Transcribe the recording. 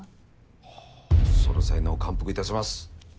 はぁその才能感服いたします。